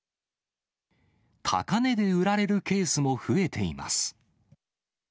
高値で売られるケースも増えています。